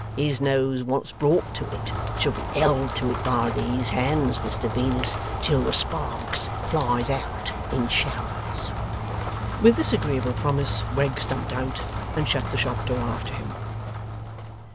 His nose once brought to it, shall be held to it by these hands, Mr Venus, till the sparks flies out in showers.' With this agreeable promise Wegg stumped out, and shut the shop door after him.